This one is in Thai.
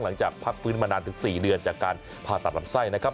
หลังจากพักฟื้นมานานถึง๔เดือนจากการผ่าตัดลำไส้นะครับ